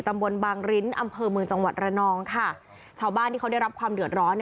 บางริ้นอำเภอเมืองจังหวัดระนองค่ะชาวบ้านที่เขาได้รับความเดือดร้อน